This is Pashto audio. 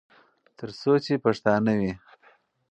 تر څو چې پښتانه وي.